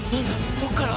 どこから！？